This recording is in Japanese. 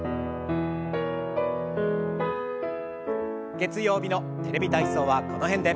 月曜日の「テレビ体操」はこの辺で。